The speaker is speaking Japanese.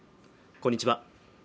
こんにちは